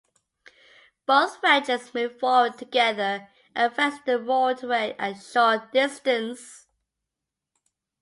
Both wedges move forward together, advancing the roadway a short distance.